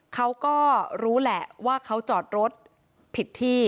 เขาก็รู้แหละว่าเขาจอดรถผิดที่